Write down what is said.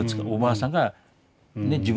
おばあさんがね